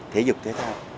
thể dục thể thao